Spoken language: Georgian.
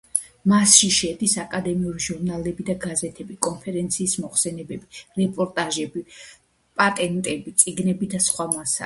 მასში შედის აკადემიური ჟურნალები და გაზეთები, კონფერენციების მოხსენებები, რეპორტაჟები, პატენტები, წიგნები და სხვა მასალა.